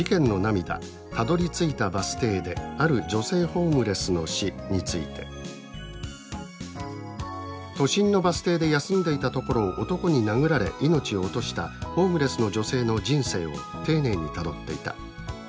「たどりついたバス停である女性ホームレスの死」について「都心のバス停で休んでいたところを男に殴られ命を落としたホームレスの女性の人生を丁寧にたどっていた。